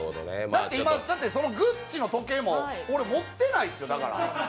だってそのＧＵＣＣＩの時計も俺、持っていないですよだから。